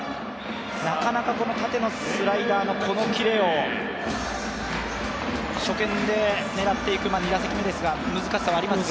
なかなか縦のスライダーのこのキレを初見で狙っていく、２打席目ですが、難しさはありますか。